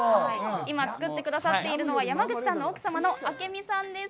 今、作ってくださっているのは、山口さんの奥様の明美さんです。